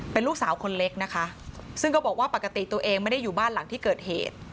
เป็นลูกสาวคนเล็กนะคะซึ่งก็บอกว่าปกติตัวเองไม่ได้อยู่บ้านหลังที่เกิดเหตุ